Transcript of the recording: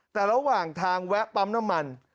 แต่ระหว่างทางแวะปั๊มน้ำมัน